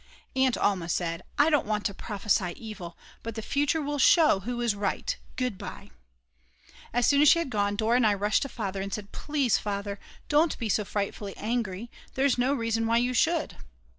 Aunt Alma said: "I don't want to prophesy evil, but the future will show who is right Goodbye." As soon as she had gone Dora and I rushed to Father and said: "Please Father, don't be so frightfully angry; there's no reason why you should."